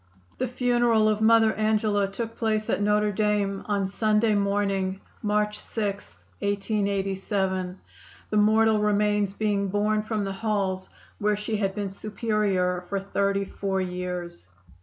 The funeral of Mother Angela took place at Notre Dame on Sunday morning, March 6, 1887, the mortal remains being borne from the halls where she had been Superior for thirty four years.